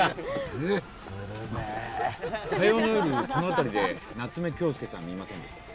えっ？火曜の夜、この辺りで夏目恭輔さん見ませんでしたか？